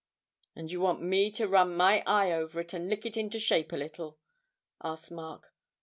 'And you want me to run my eye over it and lick it into shape a little?' asked Mark.